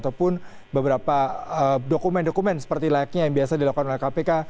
ataupun beberapa dokumen dokumen seperti layaknya yang biasa dilakukan oleh kpk